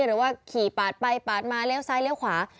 หรือว่าขี่ปาดไปปาดมาเลี้ยวซ้ายเลี้ยวขวา